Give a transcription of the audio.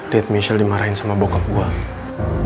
liat michelle dimarahin sama bokap gue